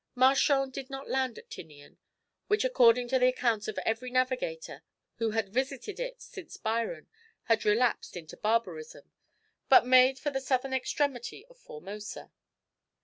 Marchand did not land at Tinian which according to the accounts of every navigator who had visited it since Byron, had relapsed into barbarism but made for the southern extremity of Formosa.